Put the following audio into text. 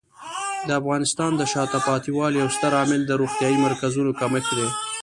د افغانستان د شاته پاتې والي یو ستر عامل د روغتیايي مرکزونو کمښت دی.